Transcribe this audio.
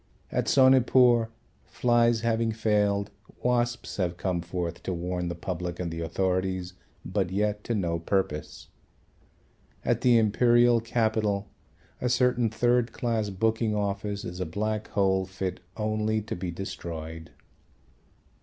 At Sonepur flies having failed, wasps have come forth to warn the public and the authorities, but yet to no purpose. At the Imperial Capital a certain third class booking office is a Black Hole fit only to be destroyed.